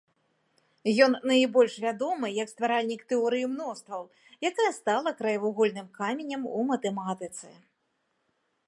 Ён найбольш вядомы як стваральнік тэорыі мностваў, якая стала краевугольным каменем у матэматыцы.